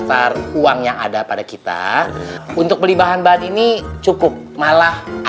saya sangat tertarik untuk bekerja sama